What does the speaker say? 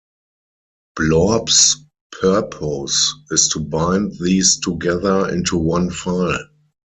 Blorb's purpose is to bind these together into one file.